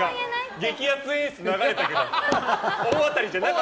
激アツ演出流れたけど。